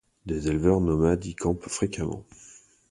Des éleveurs nomades y campent fréquemment.